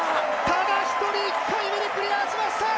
ただ一人１回目でクリアしました！